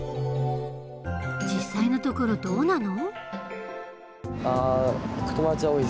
実際のところどうなの？